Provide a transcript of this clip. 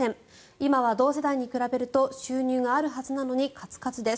今は同世代に比べると収入があるはずなのにかつかつです。